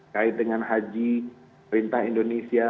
kait dengan haji perintah indonesia